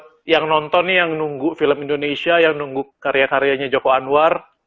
banyak yang nonton nih yang nunggu film indonesia yang nunggu karya karyanya joko anwar